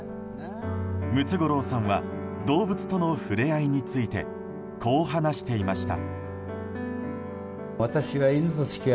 ムツゴロウさんは動物との触れ合いについてこう話していました。